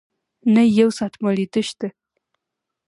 نه يې يو ساعت مړېدۀ شته